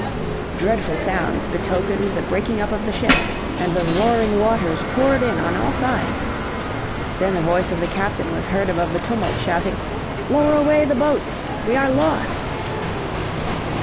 Dreadful sounds betokened the breaking up of the ship, and the roaring waters poured in on all sides: Then the voice of the captain was heard above the tumult shouting, "Lower away the boats! We are lost!"